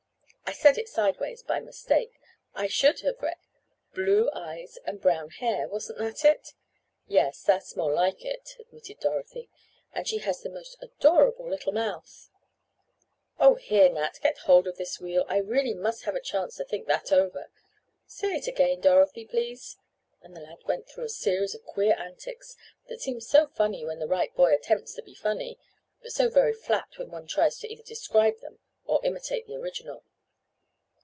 I said it sideways by mistake. It should have read blue eyes and brown hair. Wasn't that it?" "Yes, that's more like it," admitted Dorothy. "And she has the most adorable little mouth—" "Oh, here, Nat! Get hold of this wheel. I really must have a chance to think that over. Say it again, Dorothy, please," and the lad went through a series of queer antics, that seem so very funny when the right boy attempts to be funny, but so very flat when one tries to either describe them or imitate the original.